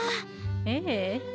ええ。